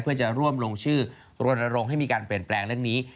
เพื่อจะร่วมลงชื่อรณรงค์ให้มีการเปลี่ยนแปลงเรื่องนี้